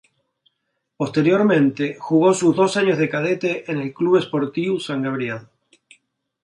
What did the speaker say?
Posteriormente jugó sus dos años de cadete en el Club Esportiu Sant Gabriel.